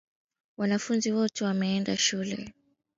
kama Wakomunisti na Wamasoni ambayo yanakusudia kabisa kufuta